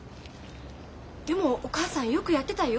でもお母さんよくやってたよ。